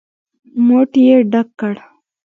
موټ يې ډک کړ.